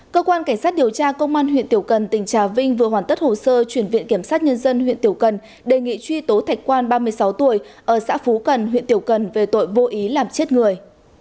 cơ quan cảnh sát điều tra công an huyện tiểu cần tỉnh trà vinh vừa hoàn tất hồ sơ chuyển viện kiểm sát nhân dân huyện tiểu cần đề nghị truy tố thạch quan ba mươi sáu tuổi ở xã phú cần huyện tiểu cần về tội vô ý làm chết người